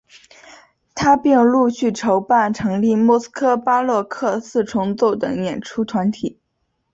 他并陆续筹办成立莫斯科巴洛克四重奏等演出团体。